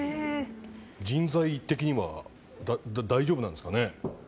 人材的には大丈夫なんですかね。